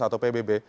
dan juga pbb